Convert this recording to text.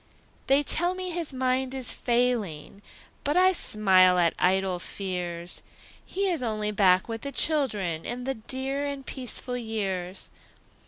They tell me his mind is failing, But I smile at idle fears; He is only back with the children, In the dear and peaceful years.